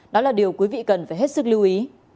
đó là điều quý vị cần phải hết sức lưu ý